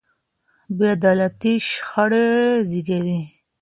بې عدالتي شخړې زېږوي.